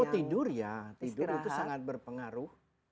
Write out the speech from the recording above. tidur ya itu sangat berpengaruh